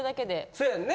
そやんね。